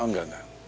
oh enggak enggak